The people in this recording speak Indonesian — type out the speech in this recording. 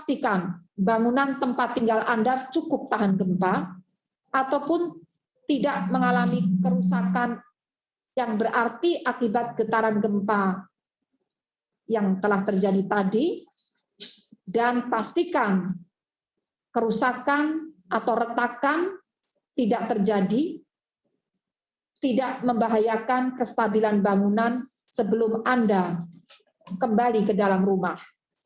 yang telah terjadi tadi dan pastikan kerusakan atau retakan tidak terjadi tidak membahayakan kestabilan bangunan sebelum anda kembali ke dalam rumah